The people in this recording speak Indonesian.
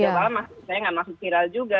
karena saya nggak masuk viral juga